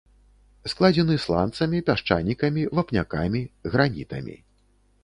Складзены сланцамі, пясчанікамі, вапнякамі, гранітамі.